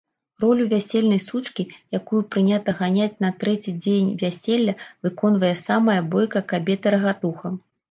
Ролю вясельнай сучкі, якую прынята ганяць на трэці дзень вяселля, выконвае самая бойкая кабета-рагатуха.